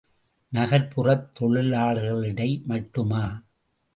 நகர்ப்புறத் தொழிலாளர்களிடை மட்டுமா?